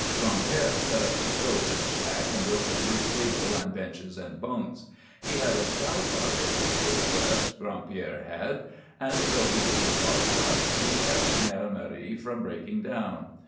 Gran'père set up the stove in the shack and built a rude table and benches and bunks. He had a stout heart in his old breast, Gran'père had, and though he didn't talk much he kept Mère Marie from breaking down.